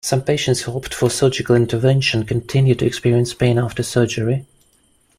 Some patients who opt for surgical intervention continue to experience pain after surgery.